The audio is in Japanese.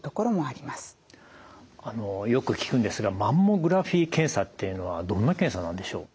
あのよく聞くんですがマンモグラフィー検査っていうのはどんな検査なんでしょう。